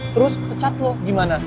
terus pecat lu gimana